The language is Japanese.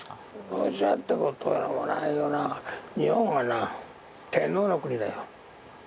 どちらってこともないけどな日本はな天皇の国だよ。